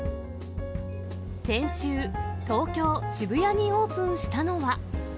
先週、東京・渋谷にオープンしたのは。